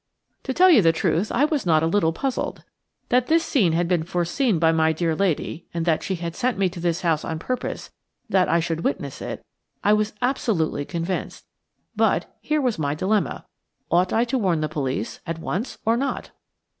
To tell you the truth, I was not a little puzzled. That this scene had been foreseen by my dear lady, and that she had sent me to this house on purpose that I should witness it, I was absolutely convinced. But–here was my dilemma: ought I to warn the police at once or not?